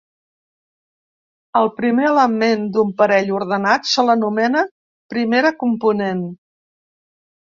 Al primer element d'un parell ordenat se l'anomena primera component.